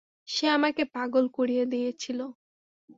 সে আমাকে পাগল করিয়া দিয়াছিল।